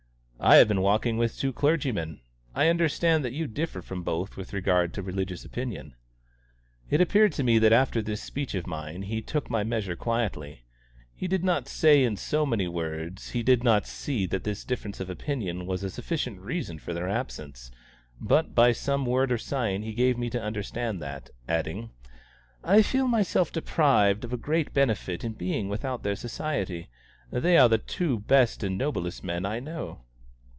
"I have been walking with two clergymen. I understand that you differ from both with regard to religious opinion." It appeared to me that after this speech of mine he took my measure quietly. He did not say in so many words he did not see that this difference of opinion was a sufficient reason for their absence, but by some word or sign he gave me to understand that, adding: "I feel myself deprived of a great benefit in being without their society. They are the two best and noblest men I know."